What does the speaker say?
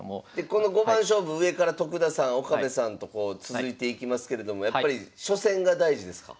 この五番勝負上から徳田さん岡部さんとこう続いていきますけれどもやっぱり初戦が大事ですか？